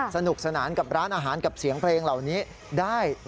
สนุกสนานกับร้านอาหารกับเสียงเพลงเหล่านี้ได้